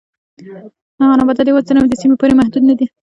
هغه نباتات یوازې تر همدې سیمې پورې محدود نه و.